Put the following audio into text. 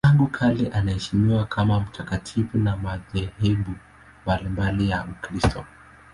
Tangu kale anaheshimiwa kama mtakatifu na madhehebu mbalimbali ya Ukristo.